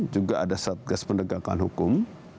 juga ada satgas pendegakan hukum